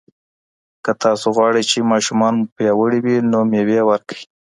که تاسو غواړئ چې ماشومان مو پیاوړي وي، نو مېوې ورکړئ.